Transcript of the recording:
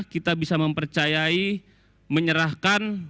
kita bisa mempercayai menyerahkan